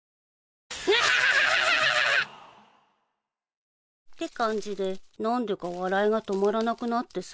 アハハハ！って感じで何でか笑いが止まらなくなってさ。